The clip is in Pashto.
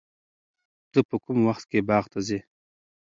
ته په کوم وخت کې باغ ته ځې؟